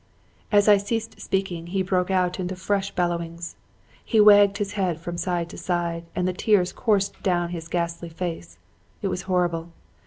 "As I ceased speaking he broke out into fresh bellowings. He wagged his head from side to side and the tears coursed down his ghastly face. It was horrible.